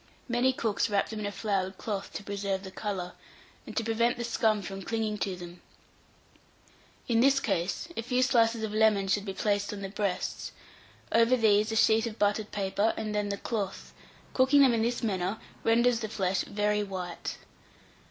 Many cooks wrap them in a floured cloth to preserve the colour, and to prevent the scum from clinging to them; in this case, a few slices of lemon should be placed on the breasts; over these a sheet of buttered paper, and then the cloth; cooking them in this manner renders the flesh very white.